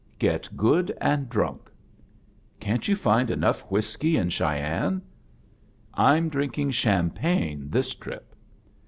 "Get good and drunk." " Can't you find enough wfiiskey in Qiey eime?" "I'm drinking cliainpi^rne this trip."